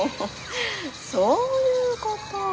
そういうこと。